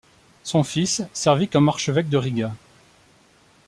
Son fils servi comme archevêque de Riga.